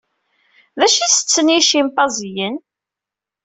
D acu i setten yicimpanziyen?